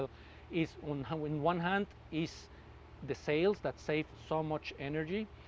satu satunya adalah penjualan yang menjaga banyak energi